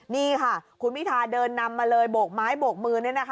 นี่ค่ะคุณพิธาเดินนำมาเลยโบกไม้โบกมือ